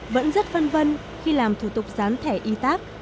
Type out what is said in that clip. vẫn rất vân vân khi làm thủ tục gián thẻ y tác